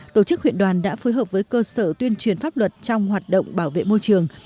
tổ chức huyện đoàn đã phối hợp với cơ sở tuyên truyền pháp luật trong hoạt động bảo vệ môi trường